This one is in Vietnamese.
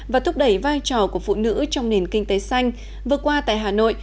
và thúc đẩy vai trò của phụ nữ trong nền kinh tế xanh vừa qua tại hà nội